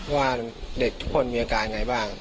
ว่าเด็กทุกคนมีอาการไงบ้าง